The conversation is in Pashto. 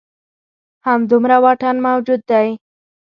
همدومره واټن موجود دی.